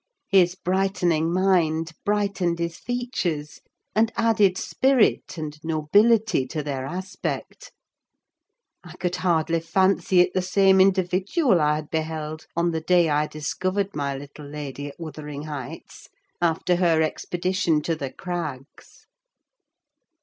His brightening mind brightened his features, and added spirit and nobility to their aspect: I could hardly fancy it the same individual I had beheld on the day I discovered my little lady at Wuthering Heights, after her expedition to the Crags.